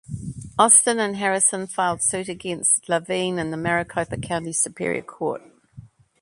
Austin and Harrison filed suit against Laveen in the Maricopa County superior court.